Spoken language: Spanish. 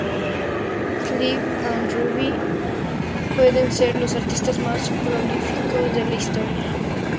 Sly and Robbie pueden ser los artistas más prolíficos de la Historia.